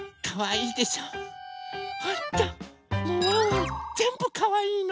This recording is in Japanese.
ほんとぜんぶかわいいの。